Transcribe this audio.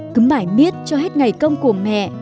cứ mãi miết cho hết ngày công của mẹ